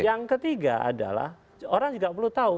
yang ketiga adalah orang juga perlu tahu